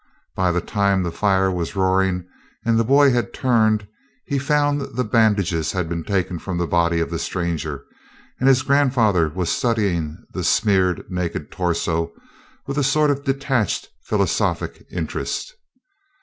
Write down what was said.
By the time the fire was roaring and the boy had turned, he found the bandages had been taken from the body of the stranger and his grandfather was studying the smeared naked torso with a sort of detached, philosophic interest.